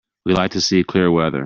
We like to see clear weather.